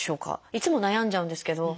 いつも悩んじゃうんですけど。